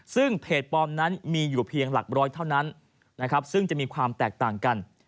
ซึ่งเพจปลอมนั้นมีอยู่เพียงหลักร้อยเท่านั้นนะครับซึ่งจะมีความแตกต่างกัน